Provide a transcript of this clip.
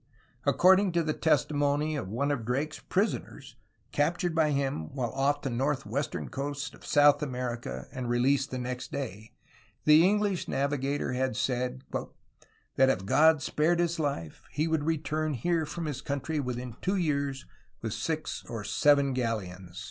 According to the testimony of one of Drake's prisoners, captured by him while off the northwestern coast of South America and released the next day, the English navigator had said "that if God spared his life he would return here from his coun try within two years with six or seven galleons."